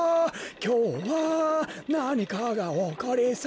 きょうはなにかがおこりそう。